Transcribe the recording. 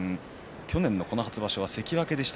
去年の初場所、関脇でした。